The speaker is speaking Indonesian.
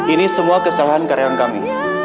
ini semua kesalahan karyawan kami